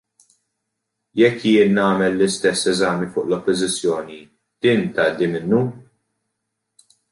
Jekk jien nagħmel l-istess eżami fuq l-Oppożizzjoni, din tgħaddi minnu?